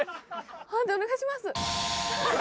判定お願いします。